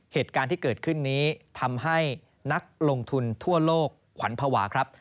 เหตุการณ์ที่เกิดขึ้นนี้ทำให้นักลงทุนทั่วโลกขวัญภาวะครับ